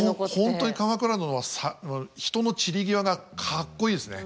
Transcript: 本当に「鎌倉殿」は人の散り際がかっこいいですね。